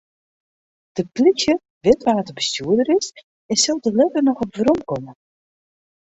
De plysje wit wa't de bestjoerder is en sil dêr letter noch op weromkomme.